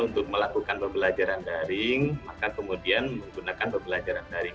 untuk melakukan pembelajaran daring maka kemudian menggunakan pembelajaran daring